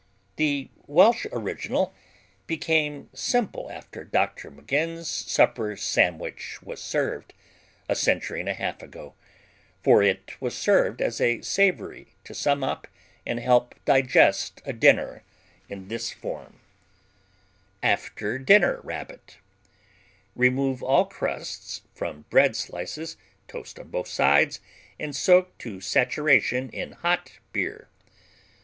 The Welsh original became simple after Dr. Maginn's supper sandwich was served, a century and a half ago; for it was served as a savory to sum up and help digest a dinner, in this form: After Dinner Rabbit Remove all crusts from bread slices, toast on both sides and soak to saturation in hot beer.